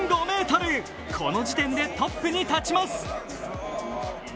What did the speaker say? この時点でトップに立ちます。